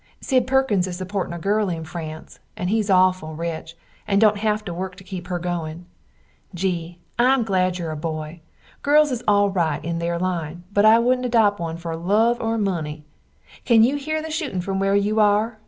Sid Perkins is suportin a girl in France and hes auful rich, and dont have to work to keep her goin. Gee, Im glad your a boy, girls is al rite in there line but I woodnt adop one fer love or money. Can you here the shootin from where you are?